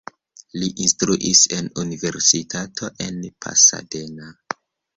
Li instruis en universitato en Pasadena.